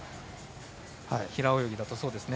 平泳ぎだと、そうですね。